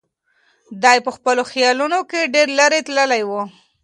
دی په خپلو خیالونو کې ډېر لرې تللی و.